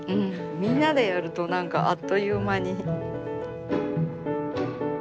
みんなでやると何かあっという間に。